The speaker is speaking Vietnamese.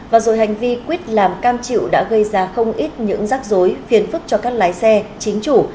và rồi hành vi quyết làm cam chịu đã gây ra không ít những rắc rối phiền phức cho các lái xe chính chủ